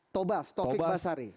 tobas tobik basari